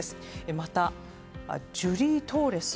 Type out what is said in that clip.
またジュリー・トーレス。